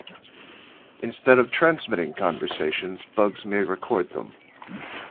Instead of transmitting conversations, bugs may record them.